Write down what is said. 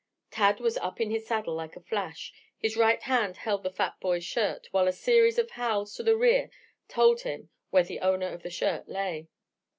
Tad was up on his saddle like a flash. His right hand held the fat boy's shirt, while a series of howls to the rear told him where the owner of the shirt lay.